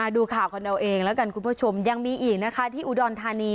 ดูข่าวกันเอาเองแล้วกันคุณผู้ชมยังมีอีกนะคะที่อุดรธานี